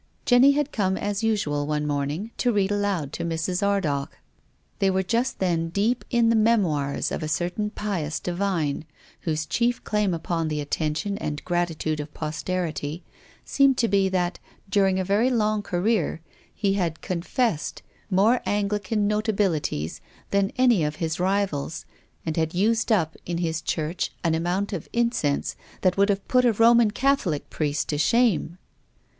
Jenny had come as usual one morning, to read aloud to Mrs. Ardagh. They were just then deep in the " Memoirs " of a certain pious divine, whose chief claim upon the attention and gratitude of posterity seemed to be that, during a very long career, he had " confessed " more Anglican notabilities than any of his rivals, and had used up, in his church, an amount of incense that would have put a Roman Catholic priest to shame.